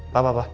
pak pak pak